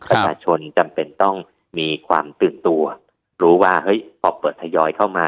จำเป็นต้องมีความตื่นตัวรู้ว่าเฮ้ยพอเปิดทยอยเข้ามา